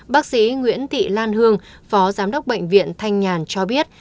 bác sĩ nguyễn thị lan hương phó giám đốc bệnh viện thanh nhàn cho biết